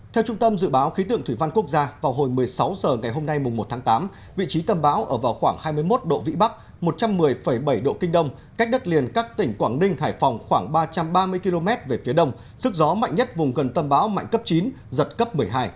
theo trung tâm dự báo khí tượng thủy văn quốc gia vào hồi một mươi sáu h ngày hôm nay một tháng tám vị trí tâm bão ở vào khoảng hai mươi một độ vĩ bắc một trăm một mươi bảy độ kinh đông cách đất liền các tỉnh quảng ninh hải phòng khoảng ba trăm ba mươi km về phía đông sức gió mạnh nhất vùng gần tâm bão mạnh cấp chín giật cấp một mươi hai